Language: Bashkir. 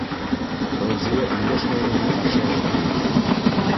Фәүзиә өндәшмәй генә ашъяулыҡ йәйҙе.